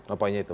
oh poinnya itu